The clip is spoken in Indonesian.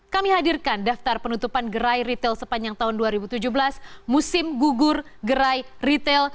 kami hadirkan daftar penutupan gerai retail sepanjang tahun dua ribu tujuh belas musim gugur gerai retail